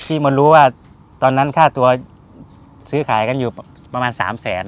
มารู้ว่าตอนนั้นค่าตัวซื้อขายกันอยู่ประมาณ๓แสน